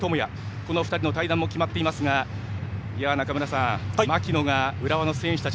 この２人の退団も決まっていますが、中村さん槙野が浦和の選手たち